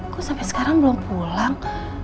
kok sampai sekarang belum pulang